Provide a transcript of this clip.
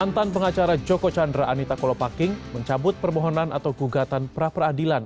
mantan pengacara joko chandra anita kolopaking mencabut permohonan atau gugatan pra peradilan